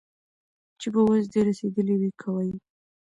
چي په وس دي رسېدلي وي كوه يې